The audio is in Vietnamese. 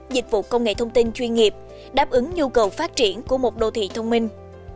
dịch vụ công nghệ thông tin chuyên nghiệp đáp ứng nhu cầu phát triển của một đô thị thông minh